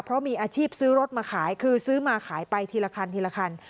เพราะมีอาชีพซื้อรถมาขายคือซื้อมาขายไปทีละคันทีละคัน